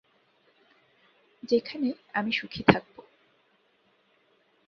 যেখানে আমি সুখী থাকব।